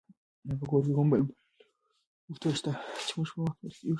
آیا په کور کې کوم بل فعال موټر شته چې موږ په وخت ورسېږو؟